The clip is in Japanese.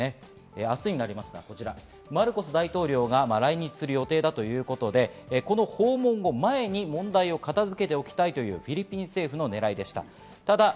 明日になりますが、マルコス大統領が来日する予定だということで、この訪問を前に問題を片付けておきたいという、フィリピン政府のねらいでした。